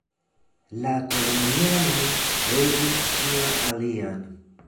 La kolonianoj regis ĉion alian.